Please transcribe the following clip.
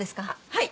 はい。